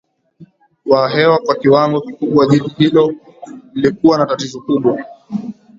wa hewa kwa kiwango kikubwa Jiji hilo lilikuwa na tatizo kubwa